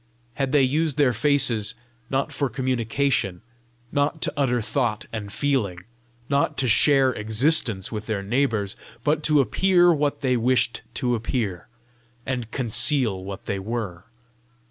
Had they used their faces, not for communication, not to utter thought and feeling, not to share existence with their neighbours, but to appear what they wished to appear, and conceal what they were?